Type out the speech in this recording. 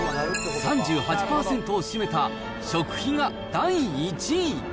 ３８％を占めた食費が第１位。